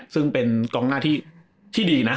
ซึ่งเป็นกองหน้าที่ดีนะ